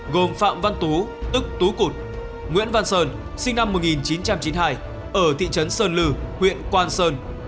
gồm phạm văn tú tức tú cụt nguyễn văn sơn sinh năm một nghìn chín trăm chín mươi hai ở thị trấn sơn lư huyện quang sơn